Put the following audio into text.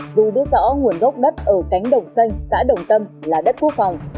dù biết rõ nguồn gốc đất ở cánh đồng xanh xã đồng tâm là đất quốc phòng